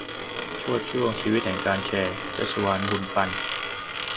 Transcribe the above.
โชติช่วงชีวิตแห่งการแชร์ : ชัชวาล บุญปัน